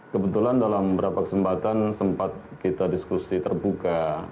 kebetulan dalam beberapa kesempatan sempat kita diskusi terbuka